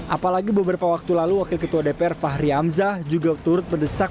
apalagi beberapa waktu lalu wakil ketua dpr fahri hamzah juga turut mendesak